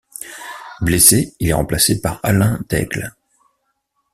Blessé, il est remplacé par Alain Daigle.